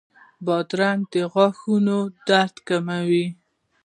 بادرنګ د غاښونو درد کموي.